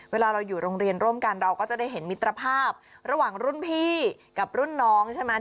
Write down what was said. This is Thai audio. เวลาเราอยู่โรงเรียนร่วมกันเราก็จะได้เห็นมิตรภาพระหว่างรุ่นพี่กับรุ่นน้องใช่ไหม